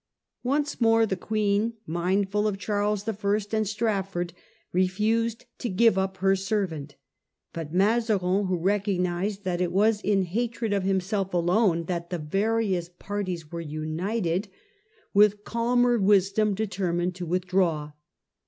Once more the Queen, mindful of Charles I. and Strafford, refused to give up her servant. But Mazarin, who recognised' that it was in hatred of himself alone that the various parties were united, with calmer wisdom * 65 i. Release of Condi ; his Difficulties . Gi determined to withdraw.